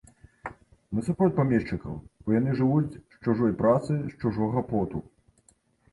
Мы супроць памешчыкаў, бо яны жывуць з чужой працы, з чужога поту.